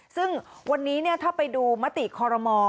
ซึ่งวันนี้ถ้าไปดูมติคอรมอ